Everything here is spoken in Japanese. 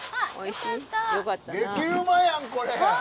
激うまやん、これ！